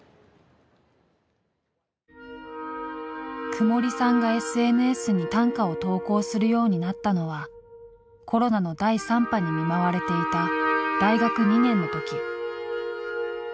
くもりさんがＳＮＳに短歌を投稿するようになったのはコロナの第３波に見舞われていた大学２年の時。